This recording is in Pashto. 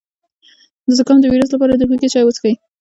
د زکام د ویروس لپاره د هوږې چای وڅښئ